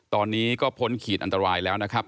ตอนนี้ก็พ้นขีดอันตรายแล้วนะครับ